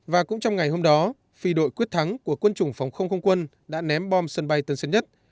và cũng trong ngày hôm đó phi đội quyết thắng của quân chủng phòng không không quân đã ném bom sân bay tân sơn nhất